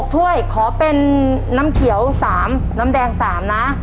ถ้วยขอเป็นน้ำเขียว๓น้ำแดง๓นะ